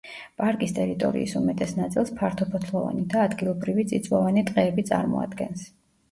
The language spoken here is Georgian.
პარკის ტერიტორიის უმეტეს ნაწილს ფართოფოთლოვანი და ადგილობრივი წიწვოვანი ტყეები წარმოადგენს.